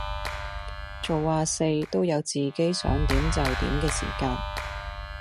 做呀四都有自己想點就點既時間